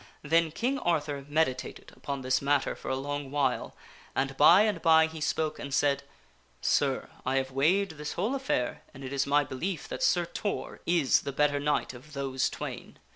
Then King Arthur meditated upon this matter for a long while and by and by he spoke and said, " Sir, I have weighed this whole ^^ Art h ur affair, and it is my belief that Sir Tor is the better knight of e h*tkSirT*r those twain.